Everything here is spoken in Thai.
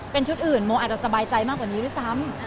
เป็นชุดอื่นโมอาจจะสบายใจมากกว่านี้ด้วยซ้ำ